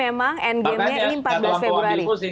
memang endgame nya ini empat belas februari